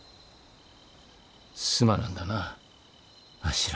すまなんだなあ。